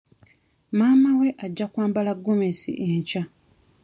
Maama we ajja kwambala gomesi enkya.